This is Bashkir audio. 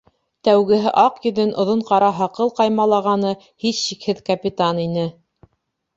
Тәүгеһе, аҡ йөҙөн оҙон ҡара һаҡал ҡаймалағаны, һис шикһеҙ, капитан ине.